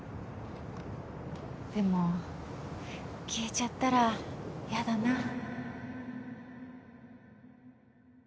でも消えちゃったらやだな